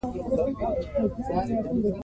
په افغانستان کې د انګور تاریخ اوږد دی.